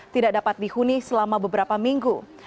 tidak dapat dihuni selama beberapa minggu